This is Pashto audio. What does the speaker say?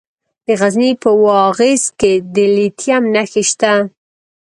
د غزني په واغظ کې د لیتیم نښې شته.